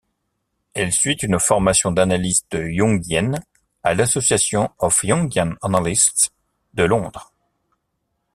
Elle suit une formation d'analyste jungienne à l'Association of Jungian Analysts de Londres.